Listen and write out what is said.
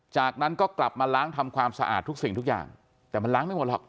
จากนั้นก็กลับมาล้างทำความสะอาดทุกสิ่งทุกอย่างแต่มันล้างไม่หมดหรอก